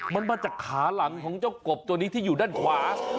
มันมาจากขาหลังของเจ้ากบตัวนี้ที่อยู่ด้านขวา